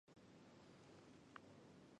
长叶黔蕨为鳞毛蕨科黔蕨属下的一个种。